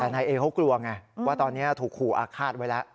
แต่นายเอเขากลัวไงว่าตอนนี้ถูกขู่อาฆาตไว้แล้ว